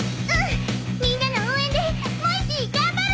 みんなの応援でもえＰ頑張るもん！